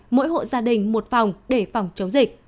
mỗi hộ gia đình một phòng để phòng chống dịch